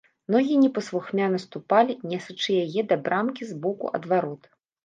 Ногі непаслухмяна ступалі, несучы яе да брамкі з боку ад варот.